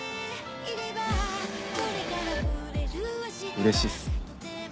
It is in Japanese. うれしいっす。